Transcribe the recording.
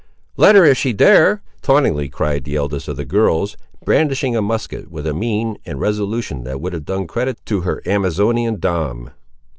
"Let her if she dare!" tauntingly cried the eldest of the girls, brandishing a musket with a mien and resolution that would have done credit to her Amazonian dam.